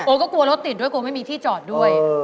ก็กลัวรถติดด้วยกลัวไม่มีที่จอดด้วย